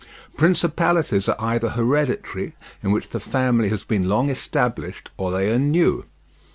Principalities are either hereditary, in which the family has been long established; or they are new.